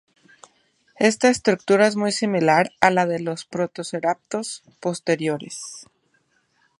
Esta estructura es muy similar a la de los "Protoceratops" posteriores.